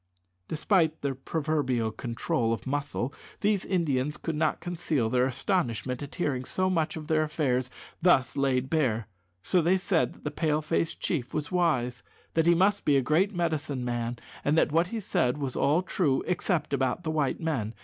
Despite their proverbial control of muscle, these Indians could not conceal their astonishment at hearing so much of their affairs thus laid bare; so they said that the Pale face chief was wise, that he must be a great medicine man, and that what he said was all true except about the white men.